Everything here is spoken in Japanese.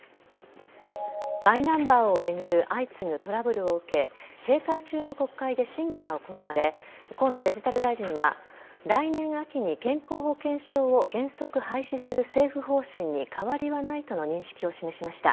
マイナンバーを巡る相次ぐトラブルを受け閉会中の国会で審議が行われ河野デジタル大臣は来年秋に健康保険証を原則廃止する政府方針に変わりはないとの認識を示しました。